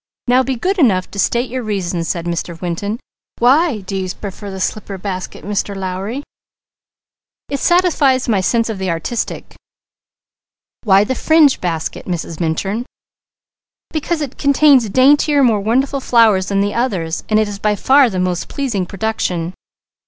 "Now be good enough to state your reasons," said Mr. Winton. "Why do you prefer the slipper basket, Mr. Lowry?" "It satisfies my sense of the artistic." "Why the fringed basket, Mrs. Minturn?" "Because it contains daintier, more wonderful flowers than the others, and is by far the most pleasing production."